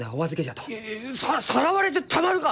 いやささらわれてたまるか！